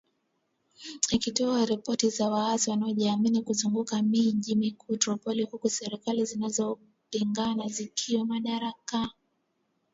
Ikitoa ripoti za waasi wanaojihami kuzunguka mji mkuu Tripoli huku serikali zinazopingana zikiwania madaraka.